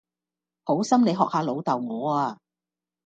好心你學下你老豆我呀